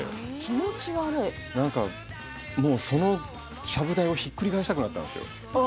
なんかそのちゃぶ台をひっくり返したくなったんですよ。